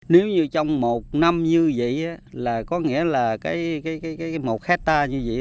nếu như trong một năm như vậy là có nghĩa là một hectare như vậy